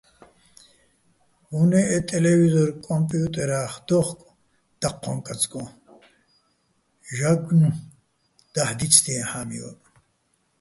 უ̂ნე ე ტელევიზორ-კომპიუტერა́ხ დოუხკო̆ დაჴჴოჼ-კაწკოჼ, ჟაგნუ́ჲ დაჰ̦ დიცდიეჼ ჰ̦ა́მივაჸ.